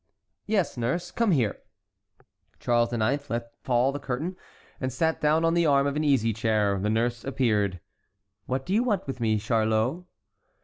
"Yes, nurse; come here." Charles IX. let fall the curtain, and sat down on the arm of an easy chair. The nurse appeared. "What do you want with me, Charlot?"